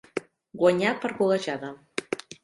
Guanyar per golejada.